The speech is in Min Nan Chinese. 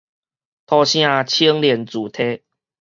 土城青年住宅